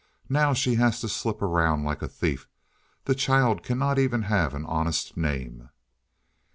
Now she has to slip around like a thief. The child cannot even have an honest name."